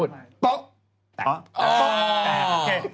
โป๊ะแตก